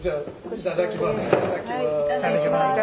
いただきます。